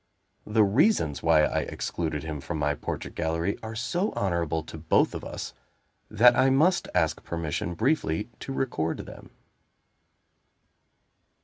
The reasons why I excluded him from my portrait gallery are so honorable to both of us, that I must ask permission briefly to record them.